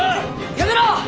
やめろ！